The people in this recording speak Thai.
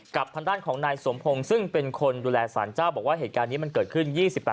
ทางด้านของนายสมพงศ์ซึ่งเป็นคนดูแลสารเจ้าบอกว่าเหตุการณ์นี้มันเกิดขึ้น๒๘